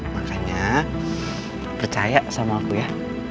makanya percaya sama aku ya